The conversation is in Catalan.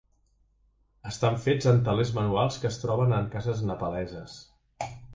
Estan fets en telers manuals que es troben en cases nepaleses.